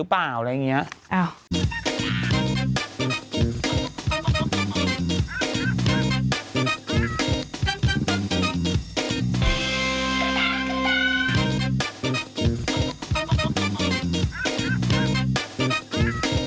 โปรดติดตามตอนต่อไป